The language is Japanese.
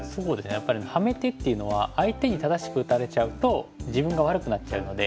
やっぱりハメ手っていうのは相手に正しく打たれちゃうと自分が悪くなっちゃうので。